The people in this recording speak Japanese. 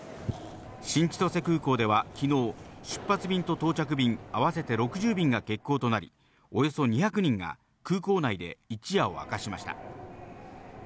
新千歳空港では昨日、出発便と到着便合わせて６０便が欠航となり、およそ２００人が空港内で一夜を明かしました。